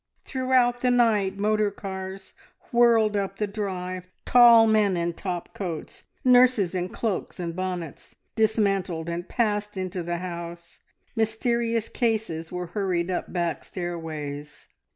Throughout the night motor cars whirled up the drive, tall men in top coats, nurses in cloaks and bonnets, dismantled and passed into the house, mysterious cases were hurried up back stairways.